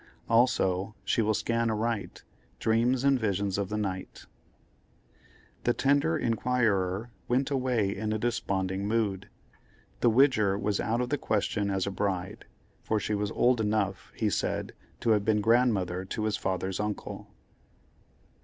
"Also, she will scan aright, Dreams and visions of the night." The tender inquirer went away in a desponding mood. The Widger was out of the question as a bride, "for she was old enough," he said, "to have been grandmother to his father's uncle."